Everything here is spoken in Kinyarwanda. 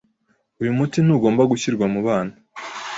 Uyu muti ntugomba gushyirwa mubana.